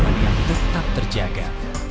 mereka tetap terjaga